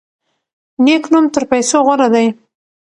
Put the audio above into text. نیک نوم تر پیسو غوره دی.